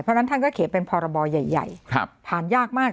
เป็นพรบอย่างใหญ่ผ่านยากมาก